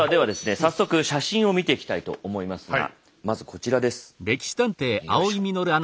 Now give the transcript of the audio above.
早速写真を見ていきたいと思いますがまずこちらです。